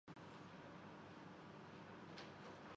تو اسے بھاری قیمت چکانا پڑتی ہے۔